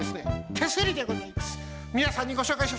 手すりでございます。